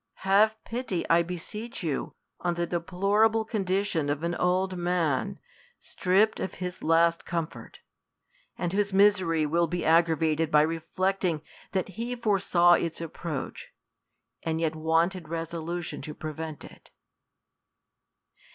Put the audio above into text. Have pity, I beseech you, on the deplorable condition of an old man, strip ped of his last comfort ; and whose misery will be ag gravated by reflecting that he foresaw its approach, and yet wanted resolution to prevent it.